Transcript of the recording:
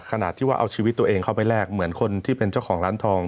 ขนาดที่ว่าเอาชีวิตตัวเองเข้าไปแลกเหมือนคนที่เป็นเจ้าของร้านทอง